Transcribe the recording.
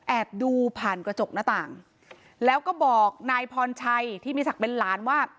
ดูผ่านกระจกหน้าต่างแล้วก็บอกนายพรชัยที่มีศักดิ์เป็นหลานว่า